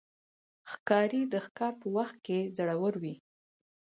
ښکاري د ښکار په وخت کې زړور وي.